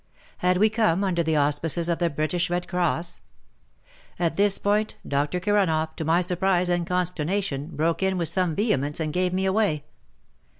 Had we come under the auspices of the British Red Cross ? At this point Dr. Kiranoff, to my surprise and consternation, broke in with some vehemence and gave me away.